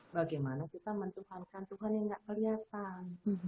bagaimana kita mentuhankan tuhan yang gak kelihatan